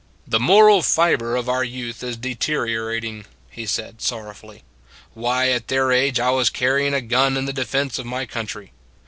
" The moral fiber of our youth is de teriorating," he said sorrowfully. Why, at their age I was carrying a gun in the defense of my country.